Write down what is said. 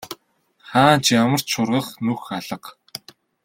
Хаана ч ямар ч шургах нүх алга.